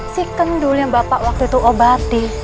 si kendul yang bapak waktu itu obati